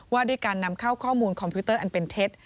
ว่าด้วยการนำเข้าข้อมูลคอมพิวเตอร์อันเป็นเท็จ